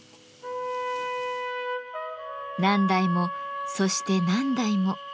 何代もそして何代も。